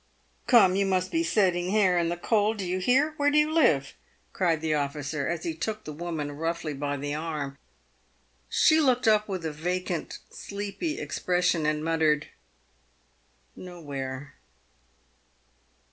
* Come, you mustn't be sitting here in the cold, do you hear. "Where do you live ?" cried the officer, as he took the woman roughly by the arm. She looked up with a vacant, sleepy expression, and muttered, " Nowhere."